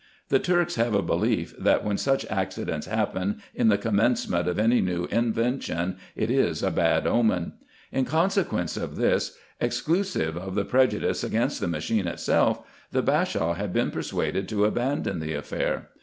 The Turks have a belief, that, when such accidents happen in the commencement of any new inven tion, it is a bad omen. In consequence of this, exclusive of the pre judice against the machine itself, the Bashaw had been persuaded to abandon the affair.